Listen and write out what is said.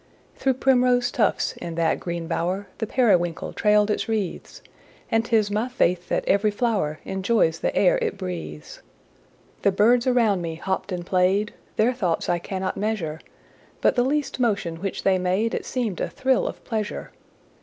Through primrose tufts, in that green bower, The periwinkle trailed its wreaths; And 'tis my faith that every flower Enjoys the air it breathes. The birds around me hopped and played, Their thoughts I cannot measure: But the least motion which they made It seemed a thrill of pleasure.